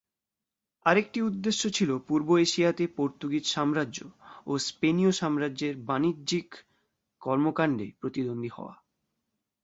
আরেকটি উদ্দেশ্য ছিল পূর্ব এশিয়াতে পর্তুগিজ সাম্রাজ্য ও স্পেনীয় সাম্রাজ্যের বাণিজ্যিক কর্মকাণ্ডে প্রতিদ্বন্দ্বী হওয়া।